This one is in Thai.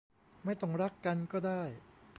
ไม่ต้องรักกันก็ได้